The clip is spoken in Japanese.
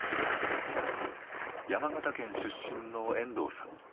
山形県出身の遠藤さん。